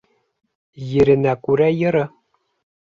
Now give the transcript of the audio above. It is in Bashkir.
Еренә күрә йыры.